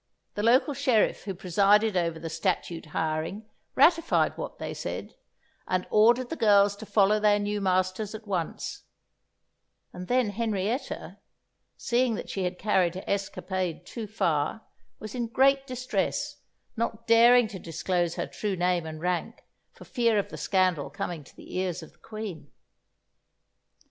The local sheriff who presided over the statute hiring ratified what they said, and ordered the girls to follow their new masters at once; and then Henrietta, seeing that she had carried her escapade too far, was in great distress, not daring to disclose her true name and rank for fear of the scandal coming to the ears of the Queen.